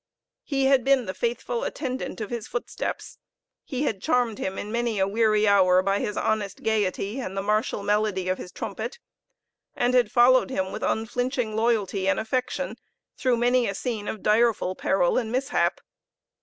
He had been the faithful attendant of his footsteps; he had charmed him in many a weary hour by his honest gayety and the martial melody of his trumpet, and had followed him with unflinching loyalty and affection through many a scene of direful peril and mishap.